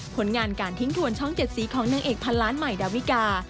ผลงานการทิ้งถวนช่อง๗สีของนางเอกพันล้านใหม่ดาวิกา